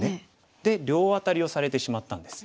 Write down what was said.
で両アタリをされてしまったんです。